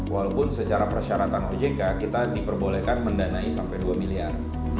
walaupun secara persyaratan ojk kita diperbolehkan mendanai sampai dua miliar